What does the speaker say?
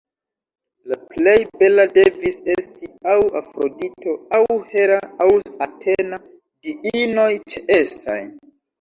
La plej bela devis esti aŭ Afrodito aŭ Hera aŭ Atena, diinoj ĉeestaj.